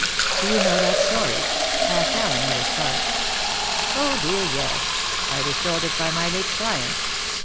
"Do you know that story?" asked Allen with a start. "Oh dear, yes! I was told it by my late client.